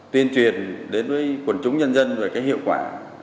tuyên truyền đến với quần chúng nhân dân về cái hiệu quả